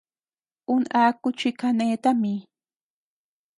Un aku chi kaneta mi.